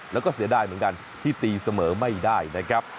แล้วก็เสียดายเหมือนกันที่ตีเสมอไม่ได้นะครับ